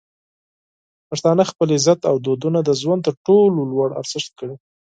پښتانه خپل عزت او دودونه د ژوند تر ټولو لوړ ارزښت ګڼي.